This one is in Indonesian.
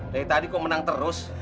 dari tadi kok menang terus